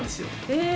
え！